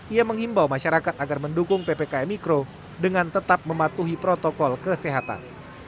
ia mengimbau masyarakat agar mendukung ppkm mikro dengan tetap mematuhi protokol kesehatan